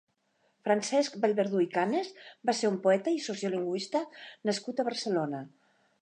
Francesc Vallverdú i Canes va ser un poeta i sociolingüista nascut a Barcelona.